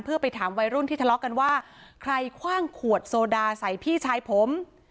เพื่อไปถามวัยรุ่นที่ทะเลาะกันว่าใครคว่างขวดโซดาใส่พี่ชายผม